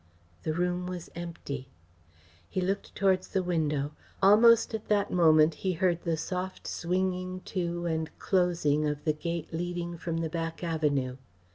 The room was empty. He looked towards the window. Almost at that moment he heard the soft swinging to and closing of the gate leading from the back avenue.